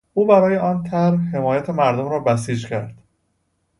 او برای آن طرح حمایت مردم را بسیج کرد.